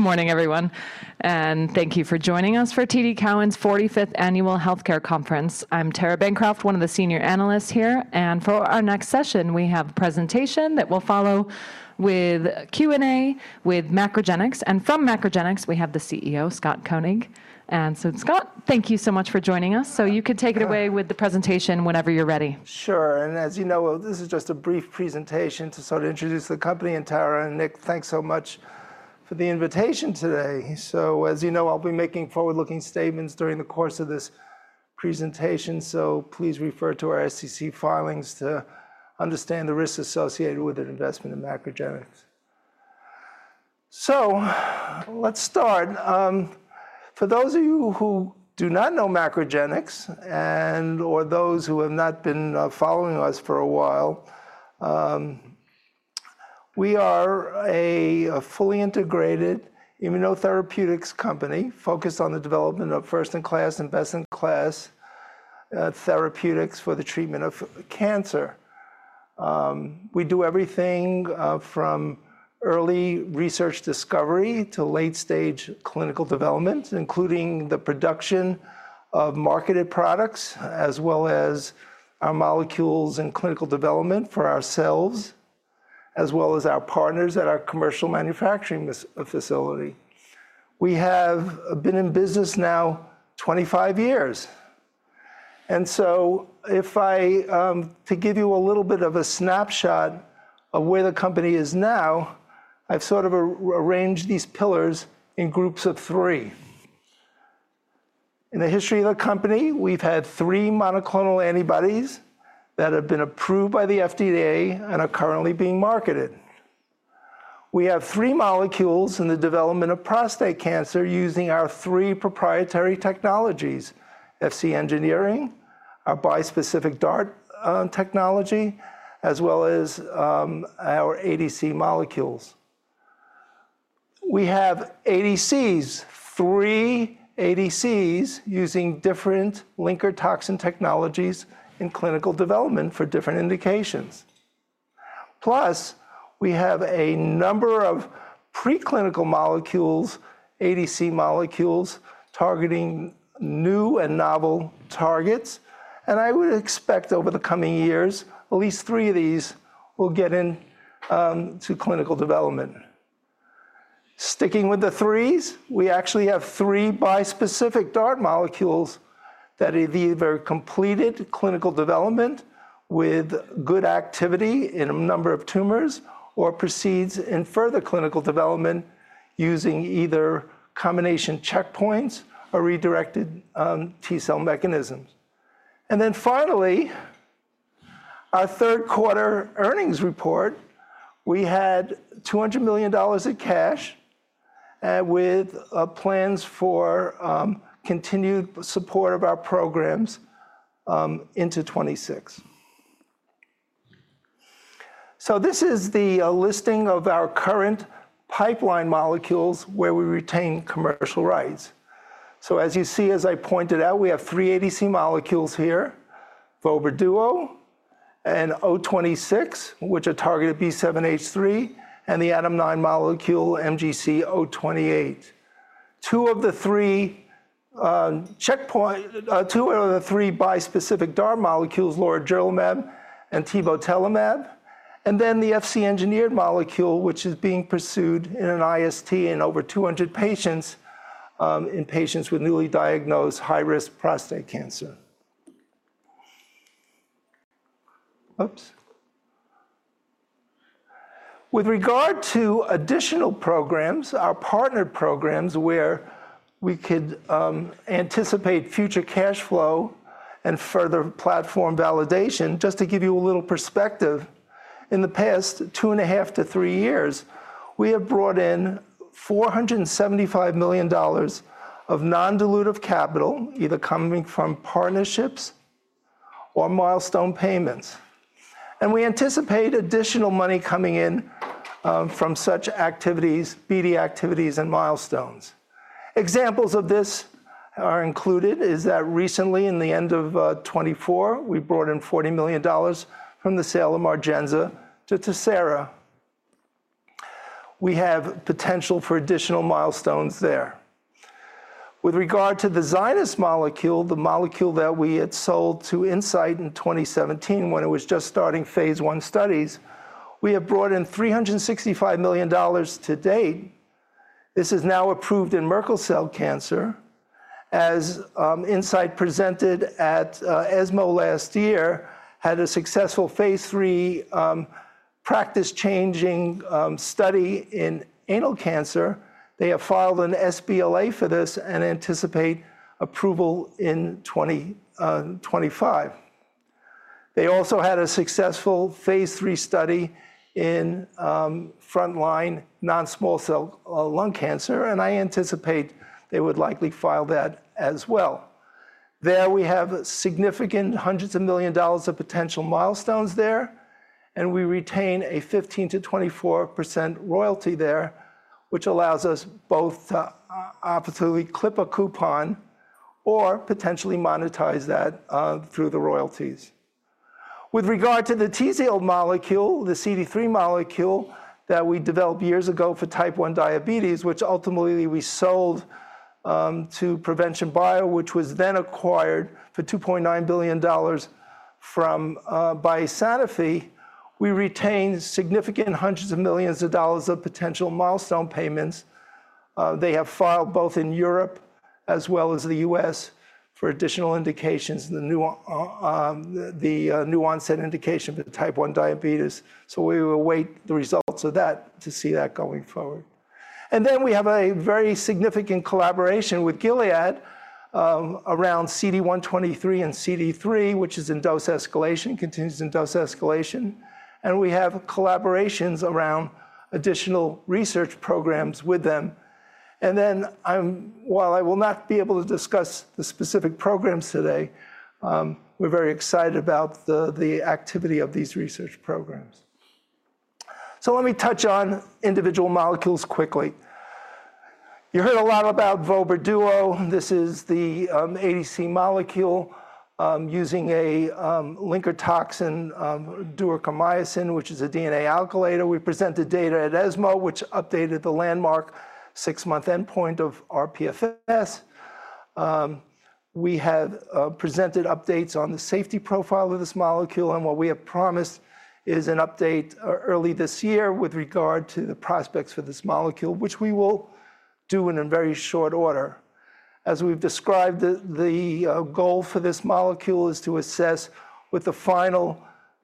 Just checking that it's still morning. Good morning, everyone, and thank you for joining us for TD Cowen's 45th Annual Healthcare Conference. I'm Tara Bancroft, one of the senior analysts here, and for our next session, we have a presentation that will follow with Q&A with MacroGenics, and from MacroGenics, we have the CEO, Scott Koenig. Scott, thank you so much for joining us. You could take it away with the presentation whenever you're ready. Sure, and as you know, this is just a brief presentation to sort of introduce the company and Tara. And Nick, thanks so much for the invitation today. As you know, I'll be making forward-looking statements during the course of this presentation, so please refer to our SEC filings to understand the risks associated with an investment in MacroGenics. Let's start. For those of you who do not know MacroGenics, and/or those who have not been following us for a while, we are a fully integrated immunotherapeutics company focused on the development of first-in-class and best-in-class therapeutics for the treatment of cancer. We do everything from early research discovery to late-stage clinical development, including the production of marketed products, as well as our molecules and clinical development for ourselves, as well as our partners at our commercial manufacturing facility. We have been in business now 25 years. If I give you a little bit of a snapshot of where the company is now, I've sort of arranged these pillars in groups of three. In the history of the company, we've had three monoclonal antibodies that have been approved by the FDA and are currently being marketed. We have three molecules in the development of prostate cancer using our three proprietary technologies: Fc engineering, our bispecific DART technology, as well as our ADC molecules. We have ADCs, three ADCs using different linker toxin technologies in clinical development for different indications. Plus, we have a number of preclinical molecules, ADC molecules, targeting new and novel targets, and I would expect over the coming years, at least three of these will get into clinical development. Sticking with the threes, we actually have three bispecific DART molecules that are either completed clinical development with good activity in a number of tumors or proceed in further clinical development using either combination checkpoints or redirected T-cell mechanisms. Finally, our third quarter earnings report, we had $200 million in cash with plans for continued support of our programs into 2026. This is the listing of our current pipeline molecules where we retain commercial rights. As you see, as I pointed out, we have three ADC molecules here: vobramitamab duocarmazine and MGC026, which are targeted B7-H3, and the ADAM9 molecule, MGC028. Two of the three bispecific DART molecules, lorigerlimab and tebotelimab, and then the Fc engineered molecule, which is being pursued in an IST in over 200 patients in patients with newly diagnosed high-risk prostate cancer. Oops. With regard to additional programs, our partner programs where we could anticipate future cash flow and further platform validation, just to give you a little perspective, in the past two and a half to three years, we have brought in $475 million of non-dilutive capital, either coming from partnerships or milestone payments. We anticipate additional money coming in from such activities, BD activities and milestones. Examples of this are included in that recently, in the end of 2024, we brought in $40 million from the sale of Margenza to TerSera. We have potential for additional milestones there. With regard to the Zynyz molecule, the molecule that we had sold to Incyte in 2017 when it was just starting phase one studies, we have brought in $365 million to date. This is now approved in Merkel cell cancer, as Incyte presented at ESMO last year, had a successful phase three practice-changing study in anal cancer. They have filed an sBLA for this and anticipate approval in 2025. They also had a successful phase three study in frontline non-small cell lung cancer, and I anticipate they would likely file that as well. There we have significant hundreds of million dollars of potential milestones there, and we retain a 15%-24% royalty there, which allows us both to opportunely clip a coupon or potentially monetize that through the royalties. With regard to the Tzield molecule, the CD3 molecule that we developed years ago for type 1 diabetes, which ultimately we sold to Provention Bio, which was then acquired for $2.9 billion from Sanofi, we retain significant hundreds of millions of dollars of potential milestone payments. They have filed both in Europe as well as the U.S. for additional indications, the new onset indication for type 1 diabetes. We will await the results of that to see that going forward. We have a very significant collaboration with Gilead around CD123 and CD3, which is in dose escalation, continues in dose escalation, and we have collaborations around additional research programs with them. While I will not be able to discuss the specific programs today, we're very excited about the activity of these research programs. Let me touch on individual molecules quickly. You heard a lot about vobramitamab duocarmazine. This is the ADC molecule using a linker toxin, duocarmycin, which is a DNA alkylator. We presented data at ESMO, which updated the landmark six-month endpoint of rPFS. We have presented updates on the safety profile of this molecule, and what we have promised is an update early this year with regard to the prospects for this molecule, which we will do in very short order. As we've described, the goal for this molecule is to assess with the final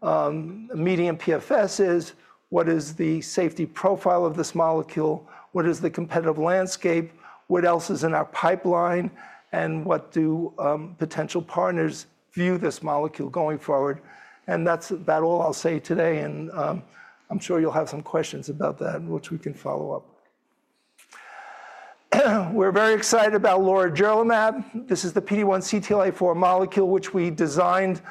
median PFSs what is the safety profile of this molecule, what is the competitive landscape, what else is in our pipeline, and what do potential partners view this molecule going forward. That is about all I'll say today, and I'm sure you'll have some questions about that, which we can follow up. We're very excited about lorigerlimab. This is the PD-1 CTLA-4 molecule, which we designed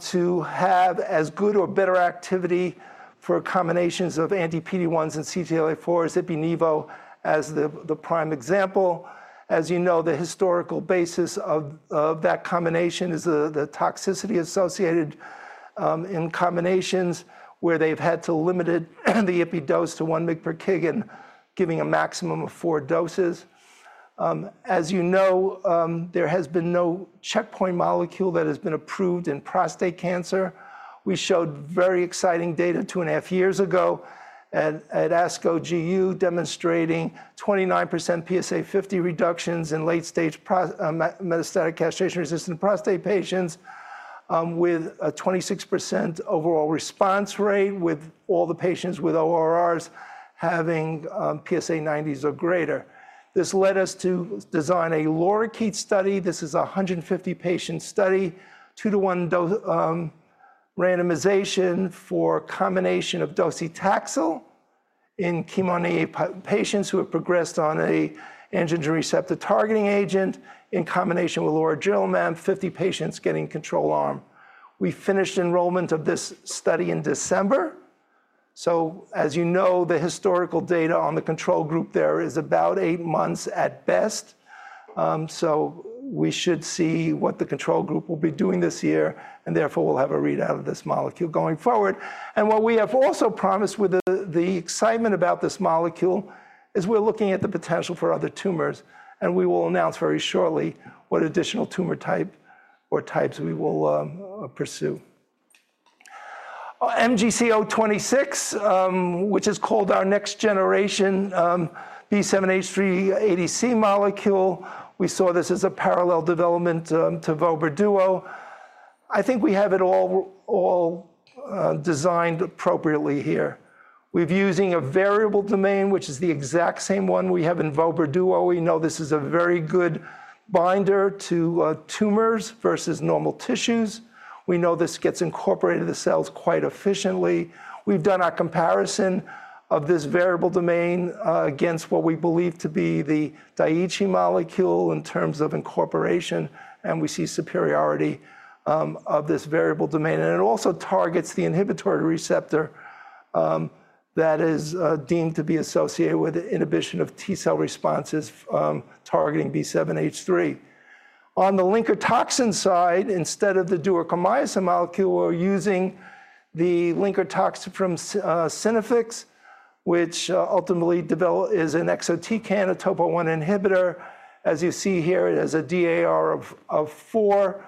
to have as good or better activity for combinations of anti-PD-1s and CTLA-4s, ipilimumab as the prime example. As you know, the historical basis of that combination is the toxicity associated in combinations where they've had to limit the Ipi dose to 1 mg per kg, giving a maximum of four doses. As you know, there has been no checkpoint molecule that has been approved in prostate cancer. We showed very exciting data two and a half years ago at ASCO GU demonstrating 29% PSA50 reductions in late-stage metastatic castration-resistant prostate patients with a 26% overall response rate, with all the patients with ORRs having PSA90s or greater. This led us to design a LORIKEET study. This is a 150-patient study, two-to-one randomization for combination of docetaxel in chemo-naïve patients who have progressed on an anti-androgen receptor targeting agent in combination with lorigerlimab, 50 patients getting control arm. We finished enrollment of this study in December. As you know, the historical data on the control group there is about eight months at best. We should see what the control group will be doing this year, and therefore we'll have a readout of this molecule going forward. What we have also promised with the excitement about this molecule is we're looking at the potential for other tumors, and we will announce very shortly what additional tumor type or types we will pursue. MGC026, which is called our next-generation B7-H3 ADC molecule, we saw this as a parallel development to vobramitamab duocarmazine. I think we have it all designed appropriately here. We're using a variable domain, which is the exact same one we have in vobramitamab duocarmazine. We know this is a very good binder to tumors versus normal tissues. We know this gets incorporated into the cells quite efficiently. We've done our comparison of this variable domain against what we believe to be the Daiichi molecule in terms of incorporation, and we see superiority of this variable domain. It also targets the inhibitory receptor that is deemed to be associated with inhibition of T-cell responses targeting B7-H3. On the linker toxin side, instead of the duocarmycin molecule, we're using the linker toxin from Synaffix, which ultimately is an exatecan, a topo I inhibitor. As you see here, it has a DAR of four.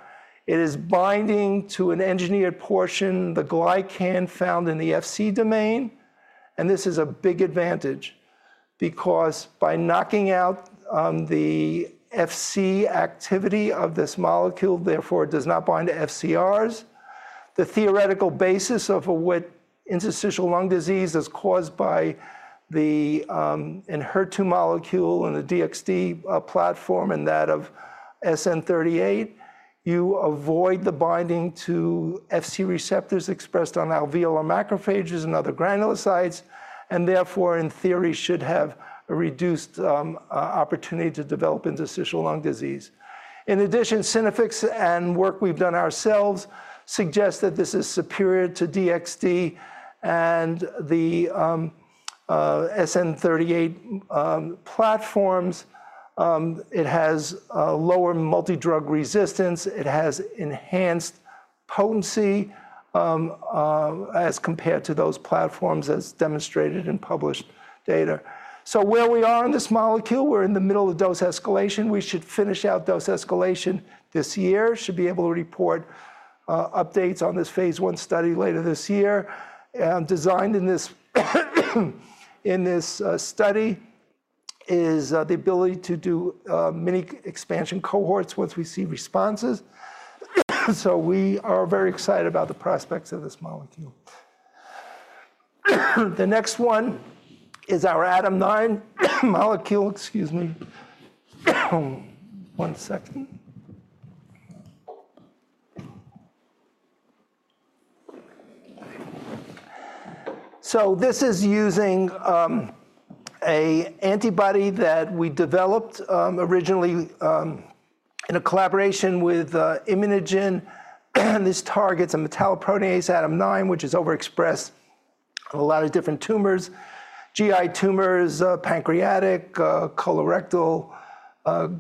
It is binding to an engineered portion, the glycan found in the Fc domain, and this is a big advantage because by knocking out the Fc activity of this molecule, therefore it does not bind to FcRs. The theoretical basis of what interstitial lung disease is caused by the Enhertu molecule and the DXd platform and that of SN38, you avoid the binding to Fc receptors expressed on alveolar macrophages and other granulocytes, and therefore in theory should have a reduced opportunity to develop interstitial lung disease. In addition, Synaffix and work we've done ourselves suggest that this is superior to DXd and the SN38 platforms. It has lower multidrug resistance. It has enhanced potency as compared to those platforms as demonstrated in published data. Where we are on this molecule, we're in the middle of dose escalation. We should finish out dose escalation this year. Should be able to report updates on this phase one study later this year. Designed in this study is the ability to do mini expansion cohorts once we see responses. We are very excited about the prospects of this molecule. The next one is our ADAM9 molecule. Excuse me. One second. This is using an antibody that we developed originally in a collaboration with ImmunoGen. This targets a metalloprotease ADAM9, which is overexpressed in a lot of different tumors: GI tumors, pancreatic, colorectal,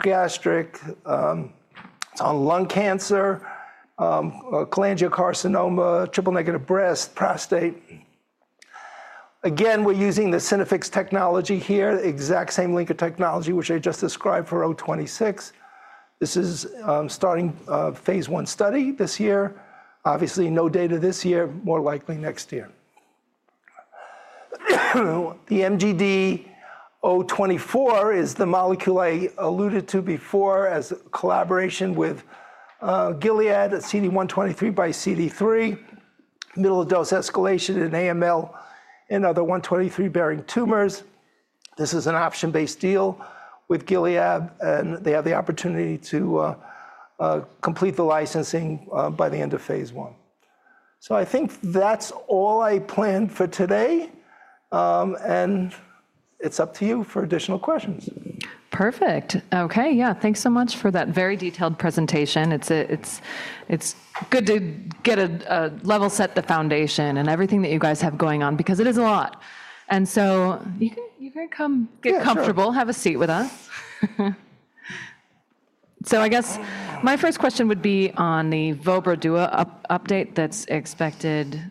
gastric, lung cancer, cholangiocarcinoma, triple-negative breast, prostate. Again, we're using the Synaffix technology here, the exact same linker technology which I just described for O26. This is starting phase one study this year. Obviously, no data this year, more likely next year. The MGD024 is the molecule I alluded to before as a collaboration with Gilead at CD123 x CD3, middle of dose escalation in AML and other 123-bearing tumors. This is an option-based deal with Gilead, and they have the opportunity to complete the licensing by the end of phase one. I think that's all I planned for today, and it's up to you for additional questions. Perfect. Okay. Yeah. Thanks so much for that very detailed presentation. It's good to get a level set, the foundation and everything that you guys have going on because it is a lot. You can come get comfortable, have a seat with us. I guess my first question would be on the vobramitamab duocarmazine update that's expected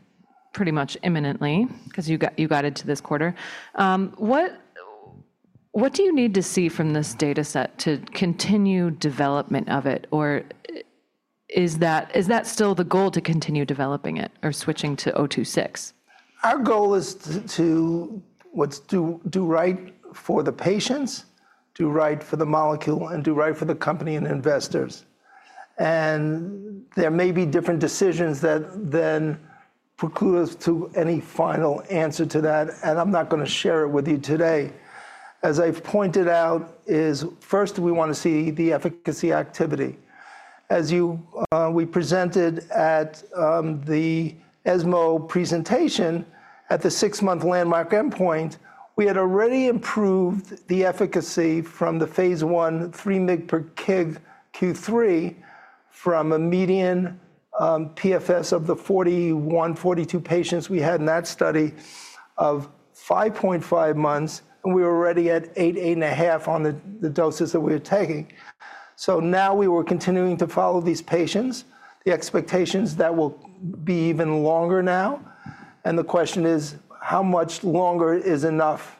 pretty much imminently because you got it to this quarter. What do you need to see from this dataset to continue development of it, or is that still the goal to continue developing it or switching to MGC026? Our goal is to do right for the patients, do right for the molecule, and do right for the company and investors. There may be different decisions that then preclude us to any final answer to that, and I'm not going to share it with you today. As I've pointed out, first we want to see the efficacy activity. As we presented at the ESMO presentation at the six-month landmark endpoint, we had already improved the efficacy from the phase one 3 mg per kg Q3 from a median PFS of the 41, 42 patients we had in that study of 5.5 months, and we were already at eight, eight and a half on the doses that we were taking. Now we were continuing to follow these patients. The expectations that will be even longer now, and the question is how much longer is enough.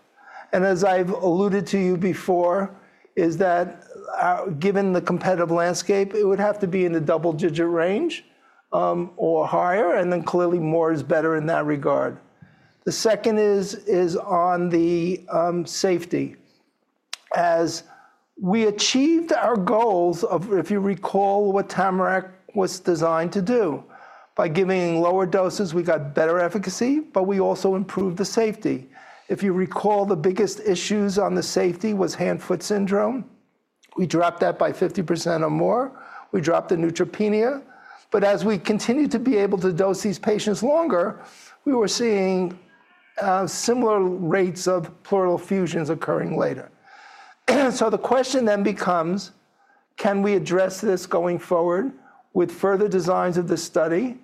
As I've alluded to you before, given the competitive landscape, it would have to be in the double-digit range or higher, and clearly more is better in that regard. The second is on the safety. As we achieved our goals of, if you recall, what TAMARACK was designed to do by giving lower doses, we got better efficacy, but we also improved the safety. If you recall, the biggest issues on the safety was hand-foot syndrome. We dropped that by 50% or more. We dropped the neutropenia. As we continued to be able to dose these patients longer, we were seeing similar rates of pleural effusions occurring later. The question then becomes, can we address this going forward with further designs of this study?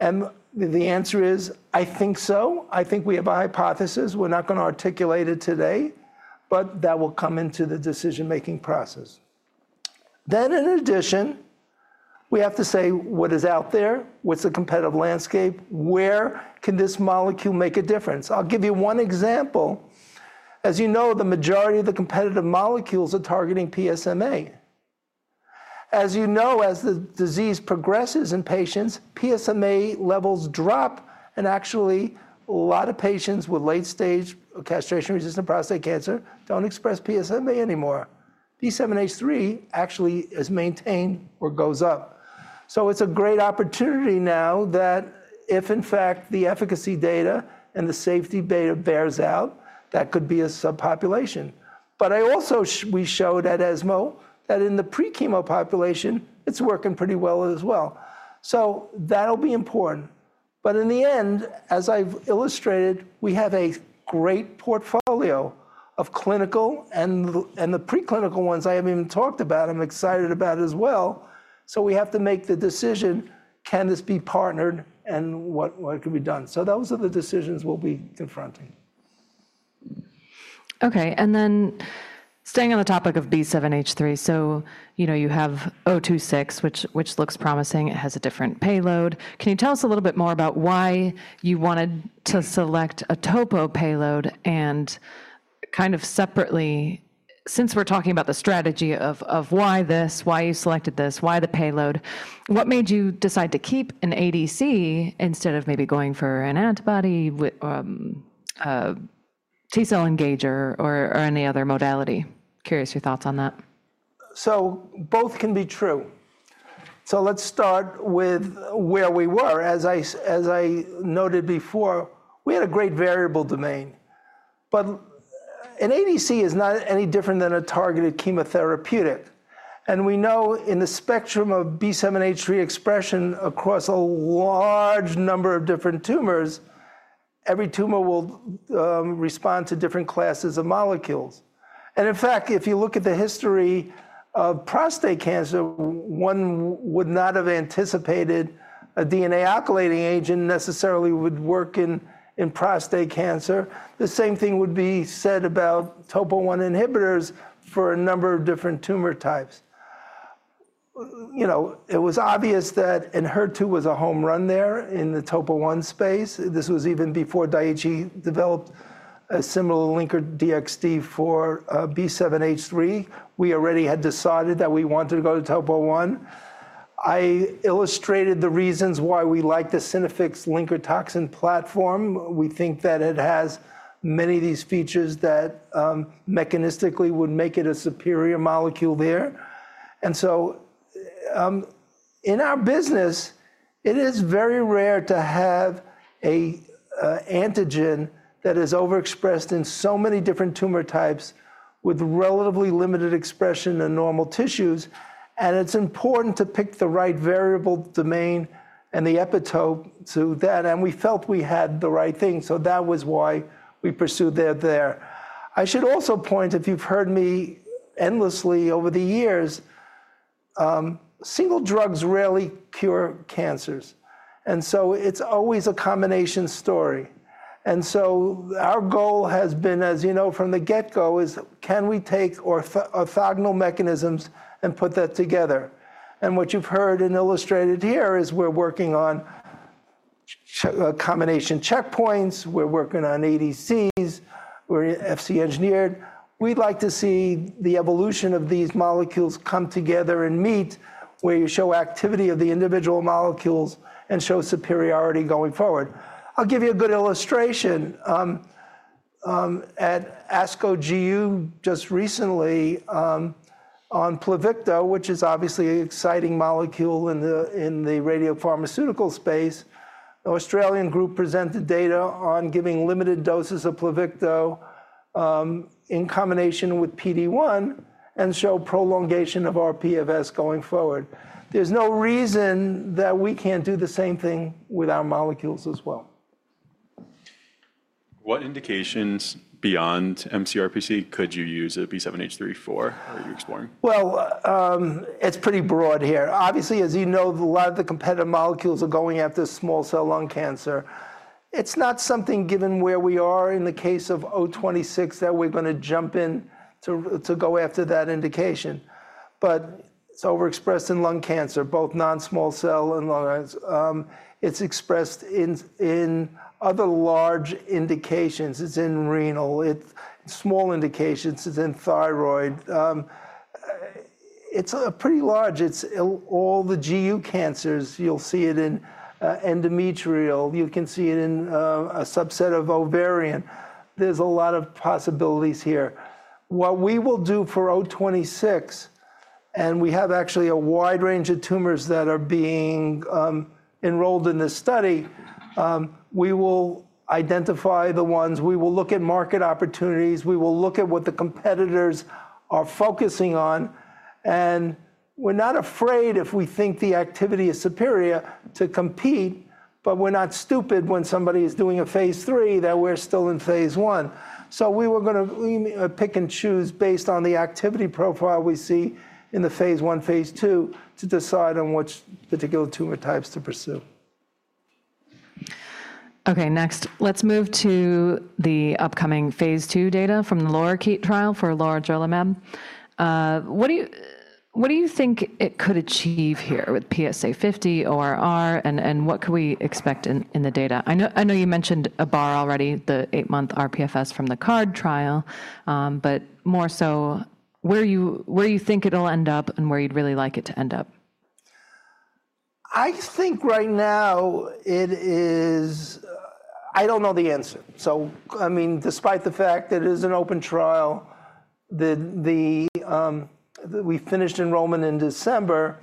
The answer is, I think so. I think we have a hypothesis. We're not going to articulate it today, but that will come into the decision-making process. In addition, we have to say what is out there, what's the competitive landscape, where can this molecule make a difference? I'll give you one example. As you know, the majority of the competitive molecules are targeting PSMA. As you know, as the disease progresses in patients, PSMA levels drop, and actually a lot of patients with late-stage castration-resistant prostate cancer don't express PSMA anymore. B7-H3 actually is maintained or goes up. It is a great opportunity now that if in fact the efficacy data and the safety data bears out, that could be a subpopulation. I also, we showed at ESMO that in the pre-chemo population, it's working pretty well as well. That will be important. As I've illustrated, we have a great portfolio of clinical and the preclinical ones I haven't even talked about. I'm excited about it as well. We have to make the decision, can this be partnered and what can be done? Those are the decisions we'll be confronting. Okay. Staying on the topic of B7-H3, you have O26, which looks promising. It has a different payload. Can you tell us a little bit more about why you wanted to select a topo payload and kind of separately, since we're talking about the strategy of why this, why you selected this, why the payload, what made you decide to keep an ADC instead of maybe going for an antibody, T-cell engager, or any other modality? Curious your thoughts on that. Both can be true. Let's start with where we were. As I noted before, we had a great variable domain, but an ADC is not any different than a targeted chemotherapeutic. We know in the spectrum of B7-H3 expression across a large number of different tumors, every tumor will respond to different classes of molecules. In fact, if you look at the history of prostate cancer, one would not have anticipated a DNA alkylating agent necessarily would work in prostate cancer. The same thing would be said about topo I inhibitors for a number of different tumor types. It was obvious that Enhertu was a home run there in the topo I space. This was even before Daiichi Sankyo developed a similar linker DXd for B7-H3. We already had decided that we wanted to go to topo I. I illustrated the reasons why we like the Synaffix linker toxin platform. We think that it has many of these features that mechanistically would make it a superior molecule there. In our business, it is very rare to have an antigen that is overexpressed in so many different tumor types with relatively limited expression in normal tissues. It is important to pick the right variable domain and the epitope to that. We felt we had the right thing. That was why we pursued that there. I should also point, if you've heard me endlessly over the years, single drugs rarely cure cancers. It is always a combination story. Our goal has been, as you know, from the get-go, is can we take orthogonal mechanisms and put that together? What you've heard and illustrated here is we're working on combination checkpoints. We're working on ADCs. We're Fc engineered. We'd like to see the evolution of these molecules come together and meet where you show activity of the individual molecules and show superiority going forward. I'll give you a good illustration. At ASCO GU just recently on Pluvicto, which is obviously an exciting molecule in the radiopharmaceutical space, an Australian group presented data on giving limited doses of Pluvicto in combination with PD-1 and show prolongation of our PFS going forward. There's no reason that we can't do the same thing with our molecules as well. What indications beyond MCRPC could you use a B7-H3 for? Are you exploring? It's pretty broad here. Obviously, as you know, a lot of the competitive molecules are going after small cell lung cancer. It's not something given where we are in the case of O26 that we're going to jump in to go after that indication. It's overexpressed in lung cancer, both non-small cell and lung cancer. It's expressed in other large indications. It's in renal. It's small indications. It's in thyroid. It's pretty large. It's all the GU cancers. You'll see it in endometrial. You can see it in a subset of ovarian. There's a lot of possibilities here. What we will do for O26, and we have actually a wide range of tumors that are being enrolled in this study, we will identify the ones. We will look at market opportunities. We will look at what the competitors are focusing on. We're not afraid if we think the activity is superior to compete, but we're not stupid when somebody is doing a phase three that we're still in phase one. We were going to pick and choose based on the activity profile we see in the phase one, phase two to decide on which particular tumor types to pursue. Okay. Next, let's move to the upcoming phase two data from the lorigerlimab trial for lorigerlimab. What do you think it could achieve here with PSA50, ORR, and what could we expect in the data? I know you mentioned a bar already, the eight-month rPFS from the CARD trial, but more so where you think it'll end up and where you'd really like it to end up. I think right now it is, I don't know the answer. I mean, despite the fact that it is an open trial, we finished enrollment in December.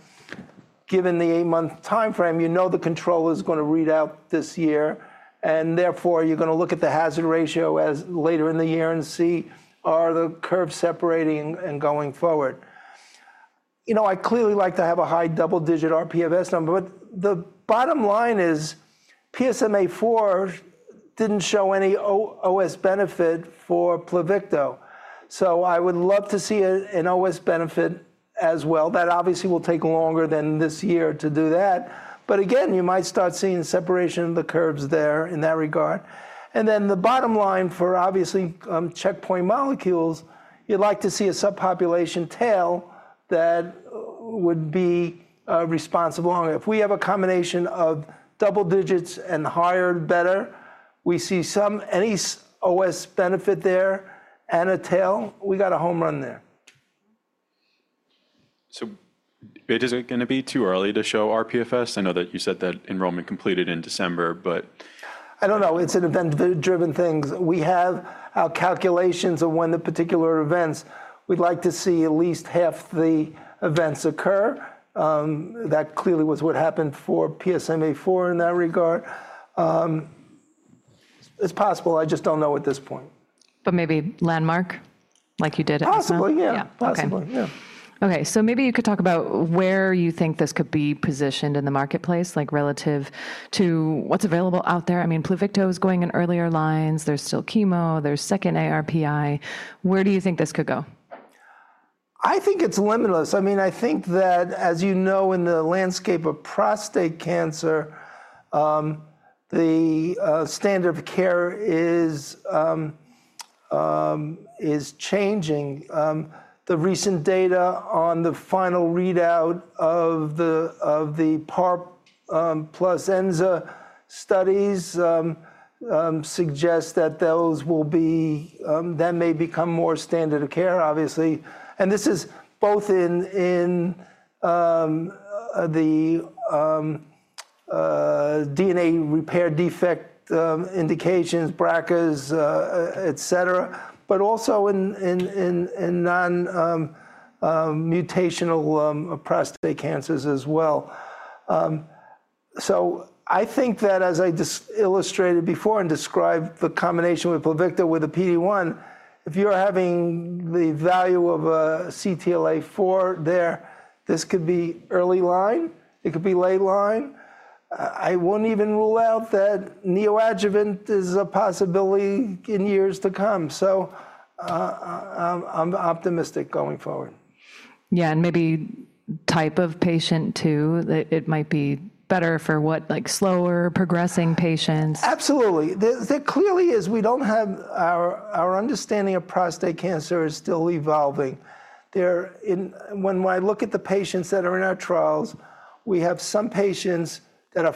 Given the eight-month timeframe, you know the control is going to read out this year, and therefore you're going to look at the hazard ratio later in the year and see are the curves separating and going forward. You know, I'd clearly like to have a high double-digit rPFS number, but the bottom line is PSMAfore didn't show any OS benefit for Pluvicto. I would love to see an OS benefit as well. That obviously will take longer than this year to do that. Again, you might start seeing separation of the curves there in that regard. The bottom line for obviously checkpoint molecules, you'd like to see a subpopulation tail that would be responsible. If we have a combination of double digits and higher and better, we see some OS benefit there and a tail, we got a home run there. Is it going to be too early to show rPFS? I know that you said that enrollment completed in December, but. I don't know. It's an event-driven thing. We have our calculations of when the particular events. We'd like to see at least half the events occur. That clearly was what happened for PSMAfore in that regard. It's possible. I just don't know at this point. Maybe landmark like you did at ESMO. Possibly, yeah. Okay. Maybe you could talk about where you think this could be positioned in the marketplace, like relative to what's available out there. I mean, Pluvicto is going in earlier lines. There's still chemo. There's second ARPI. Where do you think this could go? I think it's limitless. I mean, I think that as you know, in the landscape of prostate cancer, the standard of care is changing. The recent data on the final readout of the PARP plus Enza studies suggest that those will be, that may become more standard of care, obviously. This is both in the DNA repair defect indications, BRCAs, et cetera, but also in non-mutational prostate cancers as well. I think that as I illustrated before and described the combination with Pluvicto with the PD-1, if you're having the value of a CTLA-4 there, this could be early line. It could be late line. I won't even rule out that neoadjuvant is a possibility in years to come. I'm optimistic going forward. Yeah. And maybe type of patient too, that it might be better for what, like slower progressing patients. Absolutely. There clearly is, we don't have, our understanding of prostate cancer is still evolving. When I look at the patients that are in our trials, we have some patients that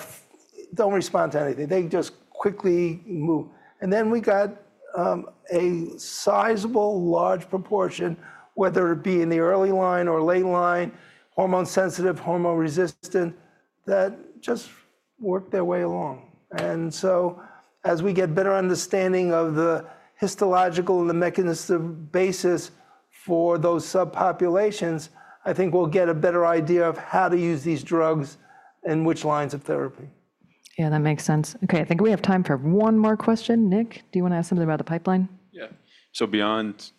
don't respond to anything. They just quickly move. We got a sizable large proportion, whether it be in the early line or late line, hormone sensitive, hormone resistant, that just work their way along. As we get better understanding of the histological and the mechanistic basis for those subpopulations, I think we'll get a better idea of how to use these drugs and which lines of therapy. Yeah, that makes sense. Okay. I think we have time for one more question. Nick, do you want to ask something about the pipeline? Yeah. So beyond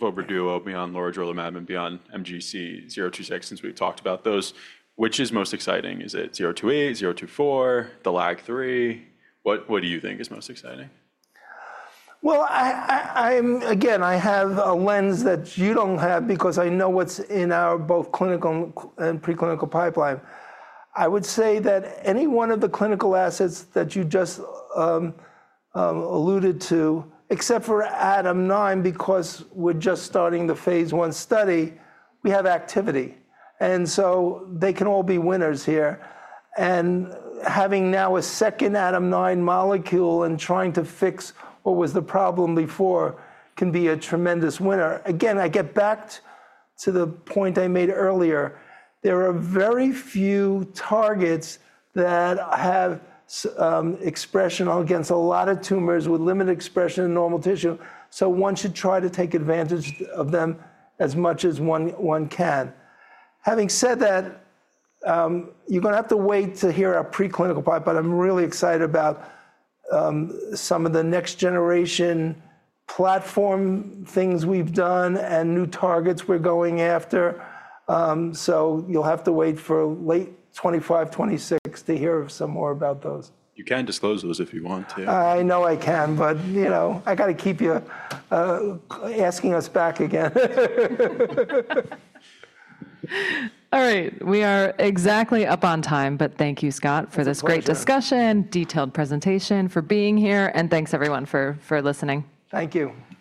vobramitamab duocarmazine, beyond lorigerlimab, beyond MGC026, since we've talked about those, which is most exciting? Is it MGC028, MGD024, the LAG-3? What do you think is most exciting? I have a lens that you don't have because I know what's in our both clinical and preclinical pipeline. I would say that any one of the clinical assets that you just alluded to, except for ADAM9, because we're just starting the phase one study, we have activity. They can all be winners here. Having now a second ADAM9 molecule and trying to fix what was the problem before can be a tremendous winner. I get back to the point I made earlier. There are very few targets that have expression against a lot of tumors with limited expression in normal tissue. One should try to take advantage of them as much as one can. Having said that, you're going to have to wait to hear our preclinical pipeline. I'm really excited about some of the next generation platform things we've done and new targets we're going after. You'll have to wait for late 2025, 2026 to hear some more about those. You can disclose those if you want to. I know I can, but you know I got to keep you asking us back again. All right. We are exactly up on time, but thank you, Scott, for this great discussion, detailed presentation, for being here. Thanks everyone for listening. Thank you.